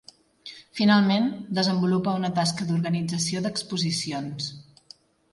Finalment, desenvolupa una tasca d'organització d'exposicions.